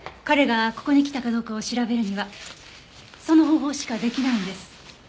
彼がここに来たかどうかを調べるにはその方法しか出来ないんです。